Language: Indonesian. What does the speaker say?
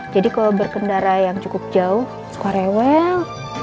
jadi kalau berkendara yang cukup jauh suka rewel